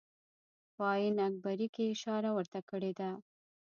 په آیین اکبري کې اشاره ورته کړې ده.